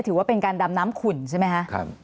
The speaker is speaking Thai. ถือว่าเป็นการดำน้ำขุ่นใช่ไหมคะ